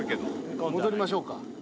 戻りましょうか。